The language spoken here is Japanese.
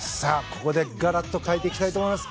ここでガラッと変えていきたいと思います。